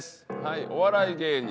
「お笑い芸人」